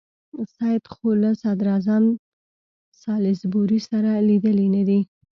سید خو له صدراعظم سالیزبوري سره لیدلي نه دي.